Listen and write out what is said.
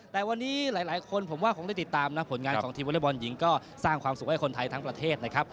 แต่วันนี้หลายคนผมว่าคงได้ติดตามนะผลงานของทีมวอเล็กบอลหญิงก็สร้างความสุขให้คนไทยทั้งประเทศนะครับ